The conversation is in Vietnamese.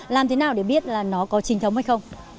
làm thế nào để biết là nó có trình thống hay không